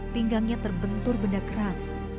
pinggangnya terbentur benda keras